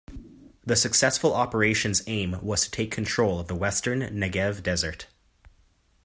The successful operation's aim was to take control of the western Negev Desert.